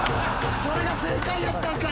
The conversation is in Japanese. それが正解やったんか！